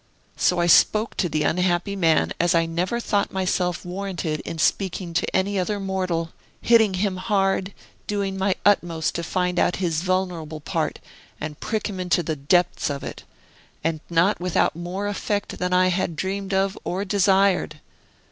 So I spoke to the unhappy man as I never thought myself warranted in speaking to any other mortal, hitting him hard, doing my utmost to find out his vulnerable part, and prick him into the depths of it. And not without more effect than I had dreamed of, or desired!